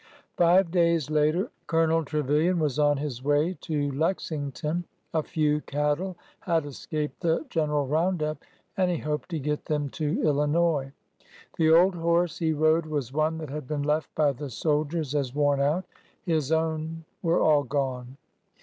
Five days later Colonel Trevilian was on his way to Lexington. A few cattle had escaped the general round up, and he hoped to get them to Illinois. The old horse he rode was one that had been left by the soldiers as worn out. His own were all gone.